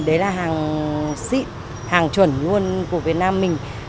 đấy là hàng xịn hàng chuẩn luôn của việt nam mình